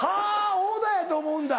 オーダーやと思うんだ。